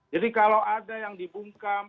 jadi kalau ada yang dibungkam